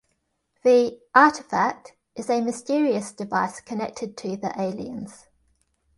The "Artifact" is a mysterious device connected to the aliens.